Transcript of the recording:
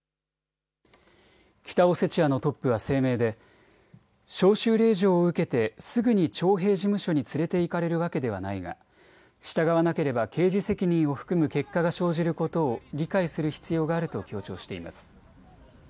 北オセチアのトップは声明で招集令状を受けてすぐに徴兵事務所に連れていかれるわけではないが従わなければ刑事責任を含む結果が生じることを理解する必要があると強調しています。